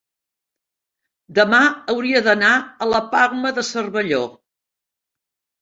demà hauria d'anar a la Palma de Cervelló.